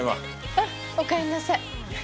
あっおかえりなさい。